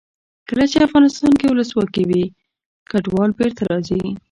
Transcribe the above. کله چې افغانستان کې ولسواکي وي کډوال بېرته راځي.